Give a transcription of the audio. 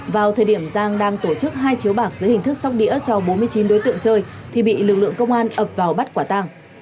vào thời điểm giang đang tổ chức hai chiếu bạc dưới hình thức sóc đĩa cho bốn mươi chín đối tượng chơi thì bị lực lượng công an ập vào bắt quả tàng